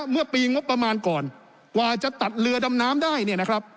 เมื่อปีงบประมาณก่อนกว่าจะตัดเรือดำน้ำได้เนี่ยนะครับ